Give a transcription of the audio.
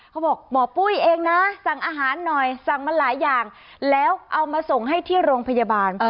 เขาบอกหมอปุ้ยเองนะสั่งอาหารหน่อยสั่งมาหลายอย่างแล้วเอามาส่งให้ที่โรงพยาบาล